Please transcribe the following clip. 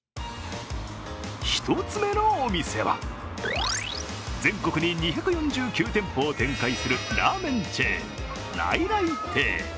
１つ目のお店は、全国に２４９店舗を展開するラーメンチェーン、来来亭。